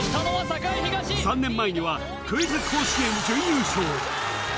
３年前にはクイズ甲子園準優勝